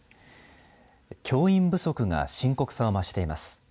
教員不足が深刻さを増しています。